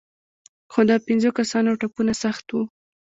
خو د پېنځو کسانو ټپونه سخت وو.